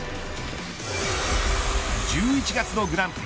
１１月のグランプリ